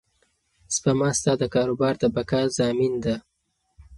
سپما ستا د کاروبار د بقا ضامن ده.